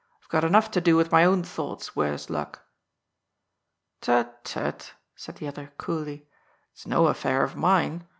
I've got enough to do with my own thoughts, worse luck." "Tut, tut," said the other coolly. "It's no affair of mine.